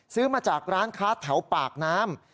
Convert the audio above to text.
ซื้อมาจากร้านค้าแถวปากน้ำ